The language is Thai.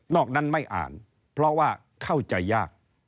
อกนั้นไม่อ่านเพราะว่าเข้าใจยาก